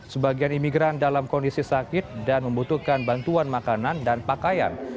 sebagian imigran dalam kondisi sakit dan membutuhkan bantuan makanan dan pakaian